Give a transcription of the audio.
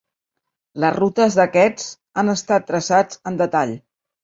Les rutes d'aquests han estat traçats en detall.